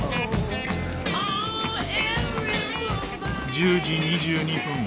１０時２２分